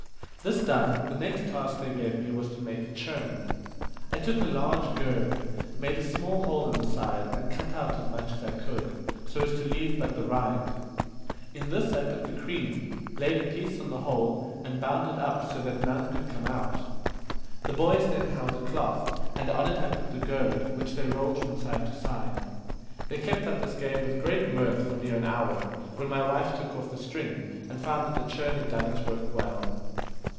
This done, the next task they gave me was to make a churn. I took a large gourd, made a small hole in the side, and cut out as much as I could, so as to leave but the rind. In this I put the cream, laid a piece on the hole, and bound it up so that none could come out. The boys then held a cloth, and on it I put the gourd, which they rolled from side to side. They kept up this game with great mirth for near an hour, when my wife took off the string, and found that the churn had done its work well.